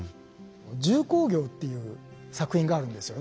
「重工業」っていう作品があるんですよ